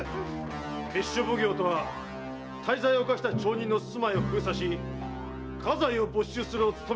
闕所奉行とは大罪を犯した町人の住まいを封鎖し家財を没収するを務めとする。